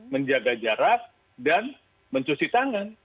menjaga jarak dan mencuci tangan